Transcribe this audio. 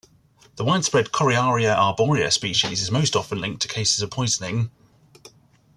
The widespread "Coriaria arborea" species is most often linked to cases of poisoning.